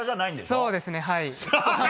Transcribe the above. そうですね、はい。